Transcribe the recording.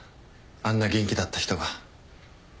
あんな元気だった人が。